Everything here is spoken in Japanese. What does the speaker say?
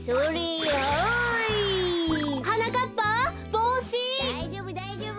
だいじょうぶだいじょうぶ！